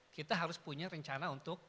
kita harus punya rencana untuk